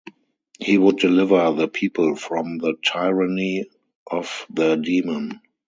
He would deliver the people from the tyranny of the demon.